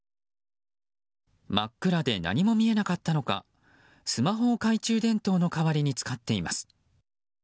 真っ暗で何も見えなかったのかスマホを懐中電灯の代わりに使っています。